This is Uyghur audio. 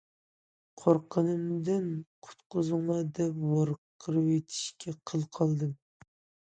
قورققىنىمدىن قۇتقۇزۇڭلار دەپ ۋارقىرىۋېتىشكە قىل قالدىم.